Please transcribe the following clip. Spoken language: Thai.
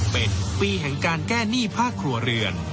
เป็นปีแห่งการแก้หนี้ภาคครัวเรือน